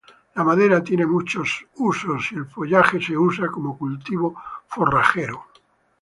La madera tiene muchos usos, y el follaje se usa como cultivo forrajero.